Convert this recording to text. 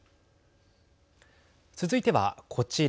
続いてはこちら。